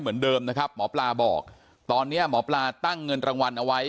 เหมือนเดิมนะครับหมอปลาบอกตอนนี้หมอปลาตั้งเงินรางวัลเอาไว้